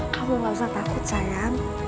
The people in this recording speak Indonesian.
kamu gak usah takut sayang